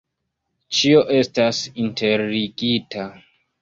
Ĉio estas interligita.